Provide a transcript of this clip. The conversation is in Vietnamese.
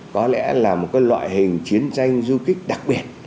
có lẽ là một loại hình chiến tranh du kích đặc biệt